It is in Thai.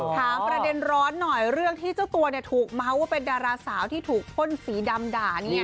ถามประเด็นร้อนหน่อยเรื่องที่เจ้าตัวเนี่ยถูกเมาส์ว่าเป็นดาราสาวที่ถูกพ่นสีดำด่าเนี่ย